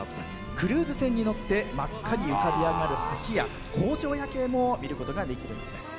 クルーズ船に乗って真っ赤に浮かび上がる橋や工場夜景も見ることができるんです。